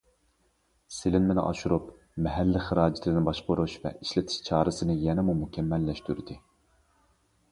سېلىنمىنى ئاشۇرۇپ، مەھەللە خىراجىتىنى باشقۇرۇش ۋە ئىشلىتىش چارىسىنى يەنىمۇ مۇكەممەللەشتۈردى.